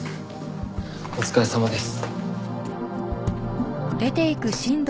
お疲れさまです。